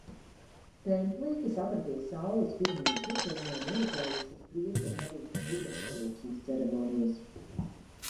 Templī, kas atradies Saules piramīdas virsotnē, noritējušas priesteru vadītas dievu pielūgsmes ceremonijas.